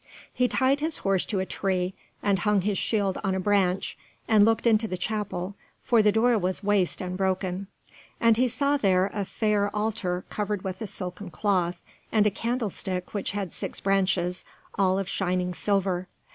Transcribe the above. He tied his horse to a tree, and hung his shield on a branch, and looked into the chapel, for the door was waste and broken. And he saw there a fair altar covered with a silken cloth, and a candlestick which had six branches, all of shining silver.